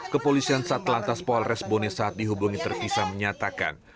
kepolisian satelantas polres boneh saat dihubungi terpisah menyatakan